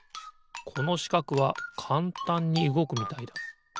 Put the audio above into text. このしかくはかんたんにうごくみたいだ。